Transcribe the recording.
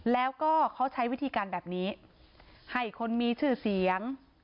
แล้วก็เขาใช้วิธีการแบบนี้ให้คนมีชื่อเสียง